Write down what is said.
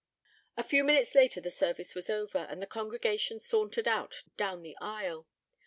A few minutes later the service was over, and the congregation sauntered out down the aisle.